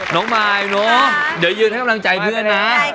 มายเนอะเดี๋ยวยืนให้กำลังใจเพื่อนนะ